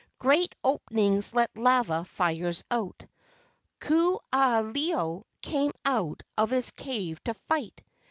Great openings let lava fires out. Ku aha ilo came out of his cave to fight.